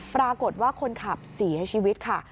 ปรากฏว่าคนขับเสียชีวิตค่ะ